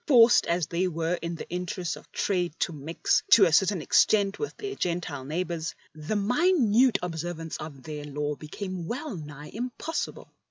Forced as they were in the 47 48 LIFE OF ST. PAUL interests of trade to mix to a certain extent with their Gentile neighbours, the minute observance of their Law became wellnigh impossible.